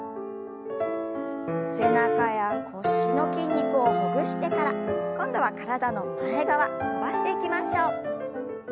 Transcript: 背中や腰の筋肉をほぐしてから今度は体の前側伸ばしていきましょう。